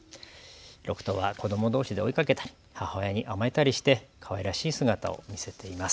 ６頭は子どもどうしで追いかけたり、母親に甘えたりしてかわいらしい姿を見せています。